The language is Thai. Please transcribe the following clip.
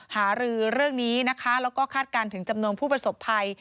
หารือเรื่องนี้นะคะแล้วก็คาดการณ์ถึงจำนวนผู้ประสบภัย